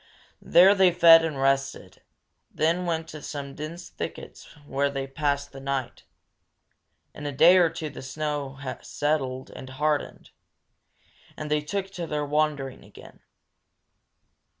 There they fed and rested, then went to some dense thickets where they passed the night. In a day or two the snow settled and hardened, and they took to their wandering again.